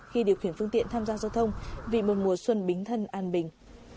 tự khuyển phương tiện tham gia giao thông vì một mùa xuân bính thân an bình